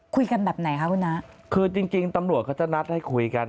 คุยกันแบบไหนคะคุณน้าคือจริงจริงตำรวจเขาจะนัดให้คุยกัน